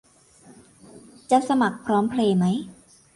จะสมัครพร้อมเพย์ไหม